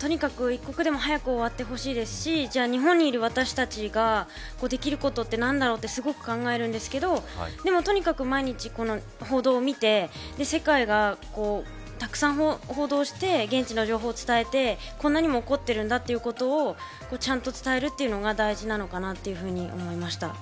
とにかく一刻でも早く終わってほしいですしじゃあ日本にいる私たちができることって何だろうってすごく考えるんですけどでもとにかく毎日報道を見て世界がたくさん報道して現地の情報を伝えて今何が起こっているんだということをちゃんと伝えるのが大事なのかなと思いました。